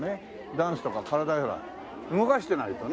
ダンスとか体をほら動かしてないとね。